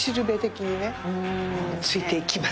ついていきます。